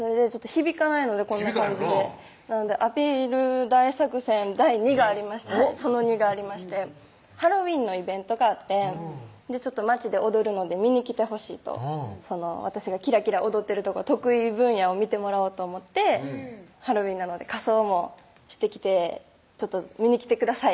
響かないのでこんな感じでなのでアピール大作戦第２がありましてその２がありましてハロウィーンのイベントがあって「街で踊るので見に来てほしい」と私がキラキラ踊ってるとこ得意分野を見てもらおうと思って「ハロウィンなので仮装もしてきて見に来てください」